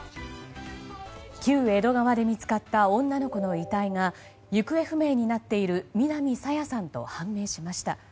旧江戸川で見つかった女の子の遺体が行方不明になっている南朝芽さんと判明しました。